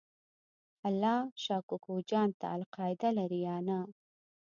الله شا کوکو جان ته القاعده لرې یا نه؟